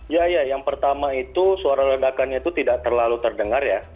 ya ya yang pertama itu suara ledakannya itu tidak terlalu terdengar ya